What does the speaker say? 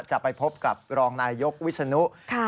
จะไปพบกับรองนายยกวิศนุ